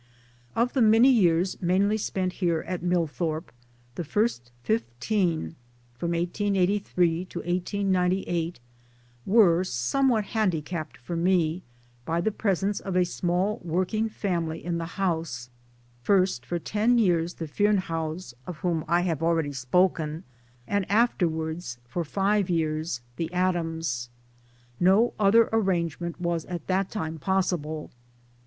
Of the many years mainly spent here at Millthorpe, the first fifteen from 1883 to 1898 were some what handicapped for me by the presence of a small working family in the house ; first, for ten years, the Fearnehoughs of whom I have already spoken ; and afterwards, for five years, the Adams'. No other arrangement was at that time possible.